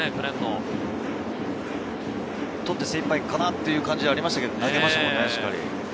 捕って精いっぱいかなという感じがありましたけどね。